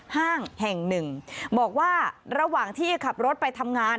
ห้างแห่งหนึ่งบอกว่าระหว่างที่ขับรถไปทำงาน